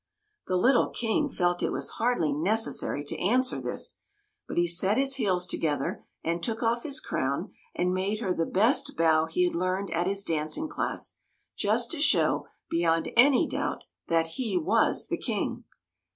The little King felt it was hardly necessary to answer this ; but he set his heels together and took off his crown and made her the best bow he had learned at his dancing class, just to show beyond any doubt that he was the King.